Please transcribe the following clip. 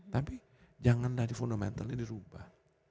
tapi jangan dari fundamentalnya dirubah